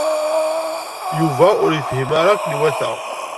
Yuba ur yefhim ara akken iwata.